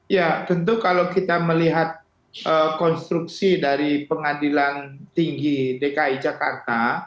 ya tentu kalau kita melihat konstruksi dari pengadilan tinggi dki jakarta